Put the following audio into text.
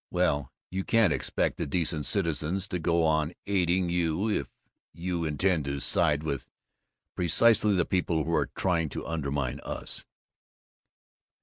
Well, you can't expect the decent citizens to go on aiding you if you intend to side with precisely the people who are trying to undermine us."